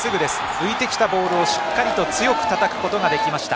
浮いてきたボールをしっかりと強くたたくことができました。